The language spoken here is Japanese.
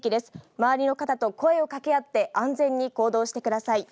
周りの方と声をかけ合って安全に行動してください。